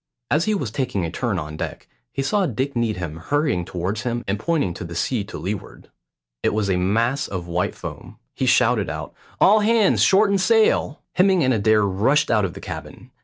As he was taking a turn on deck, he saw Dick Needham hurrying towards him and pointing to the sea to leeward. It was a mass of white foam. He shouted out, "All hands shorten sail!" Hemming and Adair rushed out of the cabin.